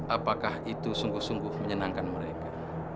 apakah itu sungguh sungguh menyenangkan mereka